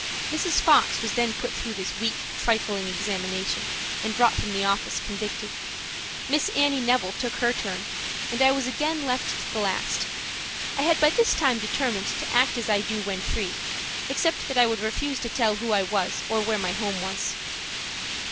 Mrs. Fox was then put through this weak, trifling examination and brought from the office, convicted. Miss Annie Neville took her turn, and I was again left to the last. I had by this time determined to act as I do when free, except that I would refuse to tell who I was or where my home was.